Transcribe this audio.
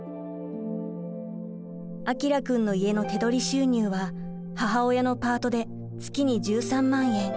彰くんの家の手取り収入は母親のパートで月に１３万円。